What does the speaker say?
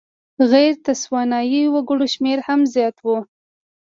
غیر تسوانایي وګړو شمېر هم زیات و.